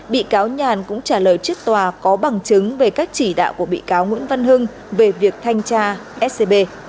bị cáo nhàn cũng trả lời trước tòa có bằng chứng về các chỉ đạo của bị cáo nguyễn văn hưng về việc thanh tra scb